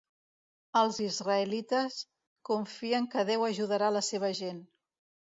Els israelites confien que Déu ajudarà la seva gent.